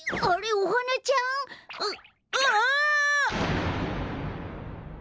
おハナちゃんうっ。